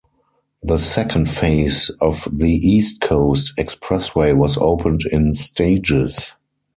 The second phase of the East Coast Expressway was opened in stages.